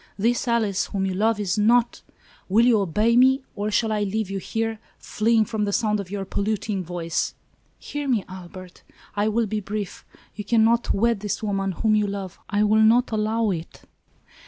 This Alice whom you love is not —" "Will you obey me, or shall I leave you here, fleeing from the sound of your polluting voice?" " Hear me, Albert ! I will be brief. You can not wed this woman, whom you love. I will not allow it